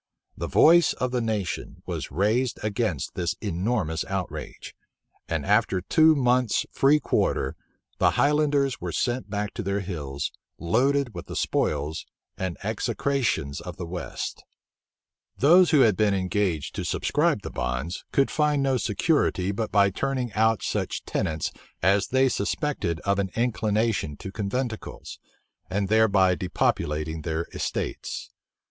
The voice of the nation was raised against this enormous outrage; and after two months' free quarter, the highlanders were sent back to their hills, loaded with the spoils and execrations of the west. Those who had been engaged to subscribe the bonds, could find no security but by turning out such tenants as they suspected of an inclination to conventicles, and thereby depopulating their estates.